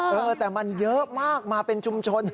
เออแต่มันเยอะมากมาเป็นชุมชน